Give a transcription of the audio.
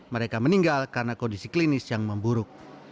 mereka meninggal karena kondisi klinis yang memburuk